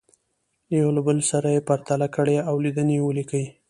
یو له بل سره یې پرتله کړئ او لیدنې ولیکئ.